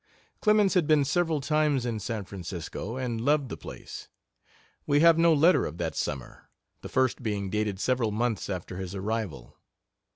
Clemens had been several times in San Francisco, and loved the place. We have no letter of that summer, the first being dated several months after his arrival.